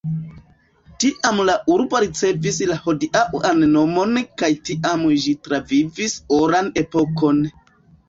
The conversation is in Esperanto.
Tiam la urbo ricevis la hodiaŭan nomon kaj tiam ĝi travivis oran epokon.